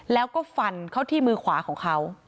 แล้วก็ฟันเข้าที่มือขวาของเขา